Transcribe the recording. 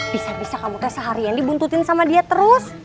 bisa bisa kamu tes seharian dibuntutin sama dia terus